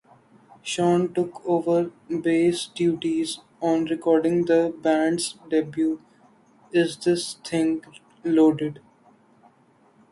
Shawn took over bass duties on recording the band's debut Is This Thing Loaded?